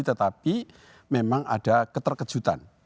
tetapi memang ada keterkejutan